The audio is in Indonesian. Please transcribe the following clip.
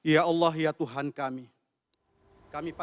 ya allah ya tuhan kami